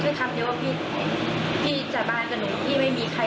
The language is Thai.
ให้ทำเร็วว่าพี่สาบานกับหนูพี่ไม่มีใคร